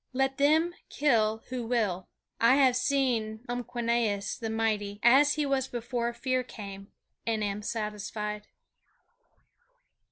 Let them kill who will. I have seen Umquenawis the Mighty as he was before fear came, and am satisfied.